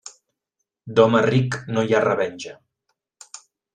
D'home ric no hi ha revenja.